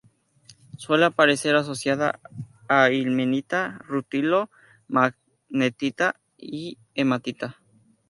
Suele aparecer asociada a ilmenita, rutilo, magnetita y hematita.